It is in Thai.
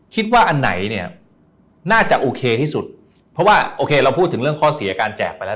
อันไหนเนี่ยน่าจะโอเคที่สุดเพราะว่าโอเคเราพูดถึงเรื่องข้อเสียการแจกไปแล้ว